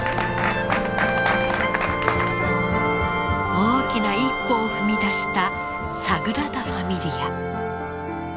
大きな一歩を踏み出したサグラダ・ファミリア。